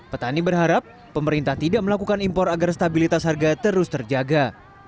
petani berharap pemerintah tidak melakukan impor agar stabilitas harga terus terjaga